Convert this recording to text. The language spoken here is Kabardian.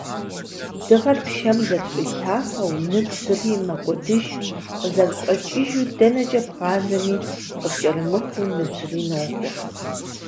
Дыгъэр пшэм зэрыщӏилъафэу, ныбжьри мэкӏуэдыж, къызэрыщӏэкӏыжу - дэнэкӏэ бгъазэми, къыпкӏэрымыхуу ныбжьри нокӏуэ.